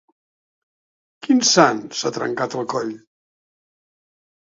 Quin sant s'ha trencat el coll?